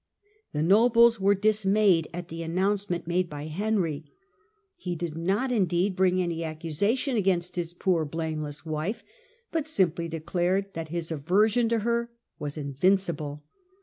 The nobles were dismayed at the announcement made by Henry. He did not, indeed, bring any ac cusation against his poor blameless wife, but simply declared that his aversion to her was invincible.